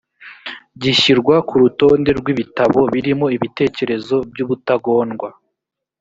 gishyirwa ku rutonde rw ibitabo birimo ibitekerezo by ubutagondwa